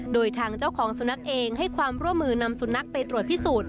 โดยทางเจ้าของสุนัขเองให้ความร่วมมือนำสุนัขไปตรวจพิสูจน์